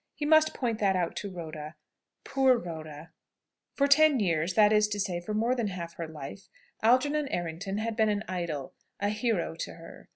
He must point that out to Rhoda. Poor Rhoda! For ten years, that is to say for more than half her life, Algernon Errington had been an idol, a hero, to her.